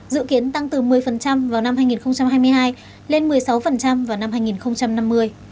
dự kiến tăng từ một mươi vào năm hai nghìn hai mươi hai lên một mươi sáu vào năm hai nghìn năm mươi